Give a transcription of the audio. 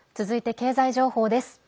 続いて経済情報です。